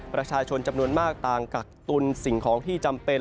ประชาชนจำนวนมากต่างกักตุนสิ่งของที่จำเป็น